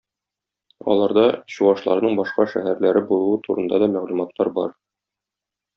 Аларда чуашларның башка шәһәрләре булуы турында да мәгълүматлар бар.